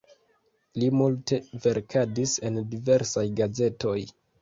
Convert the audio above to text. Li multe verkadis en diversaj gazetoj.